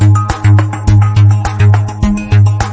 วิ่งเร็วมากครับ